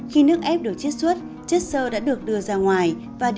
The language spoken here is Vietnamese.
khi nước ép được chiết xuất chất sơ đã được đưa ra ngoài và